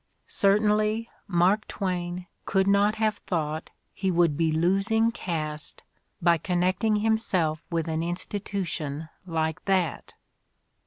Certainly Mark Twain could not have thought he would be losing caste by con necting himself with an institution like that!